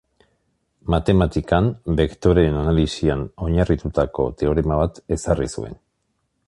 Matematikan, bektoreen analisian oinarritutako teorema bat ezarri zuen.